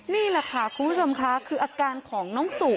นี่แหละค่ะคุณผู้ชมค่ะคืออาการของน้องสู่